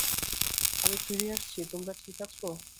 আমি ফিরে আসছি তোমরা ঠিক আছো?